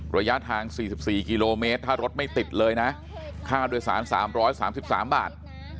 ระยะทาง๔๔กิโลเมตรถ้ารถไม่ติดเลยนะค่าโดยสาร๓๓บาท